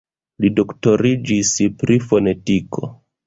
Li doktoriĝis pri fonetiko.